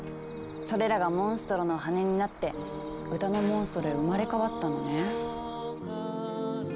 それらがモンストロの羽になって歌のモンストロへ生まれ変わったのね。